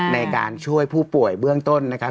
ในการช่วยผู้ป่วยเบื้องต้นนะครับ